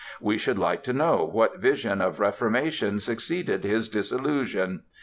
We should like to know what vision of reformation succeeded his disillusion.